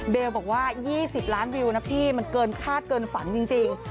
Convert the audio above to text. บอกว่า๒๐ล้านวิวนะพี่มันเกินคาดเกินฝันจริง